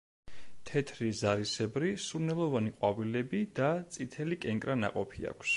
თეთრი, ზარისებრი, სურნელოვანი ყვავილები და წითელი კენკრა ნაყოფი აქვს.